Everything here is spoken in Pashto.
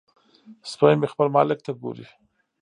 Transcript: سپی مې خپل مالک ته ګوري.